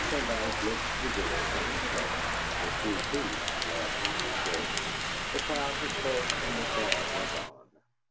Pendyce looked eagerly from her cab, for she too loved a show. The crowd dispersed, and the cab went on.